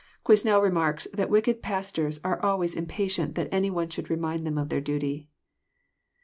Qnesnel remarks that wicked pastors are always impatient that any one should remind them of their duty.